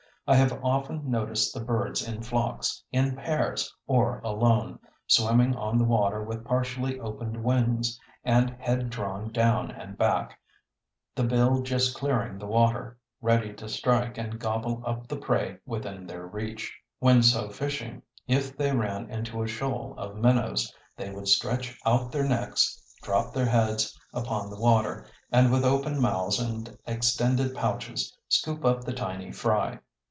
I have often noticed the birds in flocks, in pairs, or alone, swimming on the water with partially opened wings, and head drawn down and back, the bill just clearing the water, ready to strike and gobble up the prey within their reach; when so fishing, if they ran into a shoal of minnows, they would stretch out their necks, drop their heads upon the water, and with open mouths and extended pouches, scoop up the tiny fry.